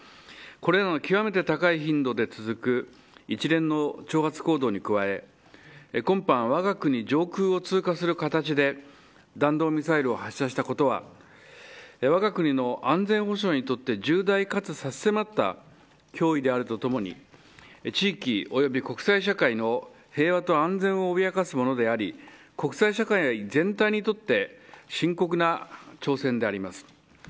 これは極めて高い頻度で続く一連の挑発行動に加え今般、わが国上空を通過する形で弾道ミサイルを発射したことはわが国の安全保障にとって重大、かつ差し迫った脅威であるとともに地域及び国際社会の平和と安全を脅かすものであり国際社会、全体にとって深刻な挑戦であります。